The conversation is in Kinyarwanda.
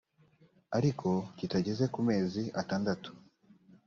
ariko kitageze ku mezi atandatu